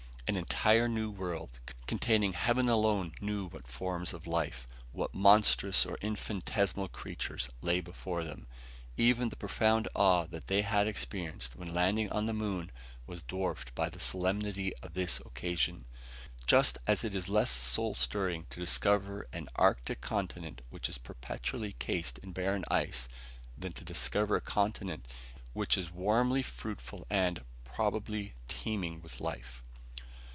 An entire new world, containing heaven alone knew what forms of life, what monstrous or infinitesimal creatures, lay before them. Even the profound awe they had experienced when landing on the moon was dwarfed by the solemnity of this occasion; just as it is less soul stirring to discover an arctic continent which is perpetually cased in barren ice, than to discover a continent which is warmly fruitful and, probably, teeming with life.